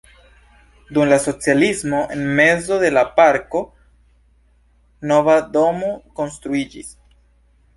Dum la socialismo en mezo de la parko nova domo konstruiĝis.